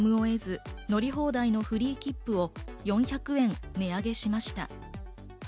やむを得ず、乗り放題のフリー切符を４００円値上げしました。